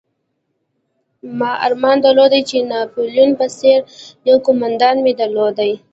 ما ارمان درلود چې د ناپلیون په څېر یو قومندان مو درلودلای.